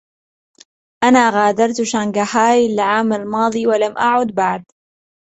أنا غادرت شانكاهاي العام الماضي ولم أعُد بعد.